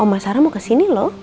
mas sarah mau kesini loh